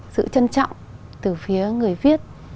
sự trân trọng từ phía người việt